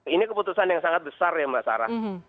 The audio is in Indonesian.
ini keputusan yang sangat besar ya mbak sarah